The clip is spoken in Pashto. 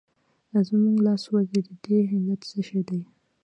زموږ لاس سوځي د دې علت څه شی دی؟